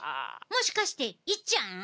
もしかして、いっちゃん？